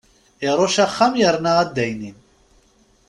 Irucc axxam yerna addaynin.